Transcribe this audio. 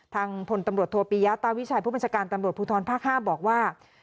ทางพลตำรวจโทปียะตาวิชัยผู้บัญชาการตำรวจภูทรภาค๕บอกว่า